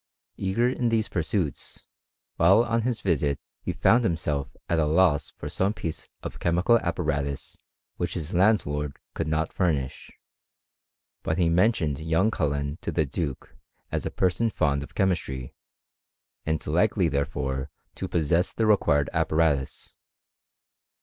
Eager in these pursuits, while on his visit he found himself at a loss for some piece of chemical apparatus which his landlord could not furnish ; but he mentioned young Cullen to the duke as a person fond of chemistry, and likely therefore to i CHEMISTRY IN GREAT BRITAIN. 305 poBSess the required apparatus.